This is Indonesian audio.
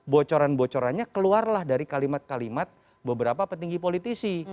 bocoran bocorannya keluarlah dari kalimat kalimat beberapa petinggi politisi